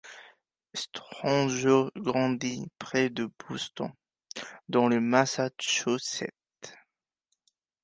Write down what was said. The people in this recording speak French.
Strangio grandit près de Boston, dans le Massachusetts.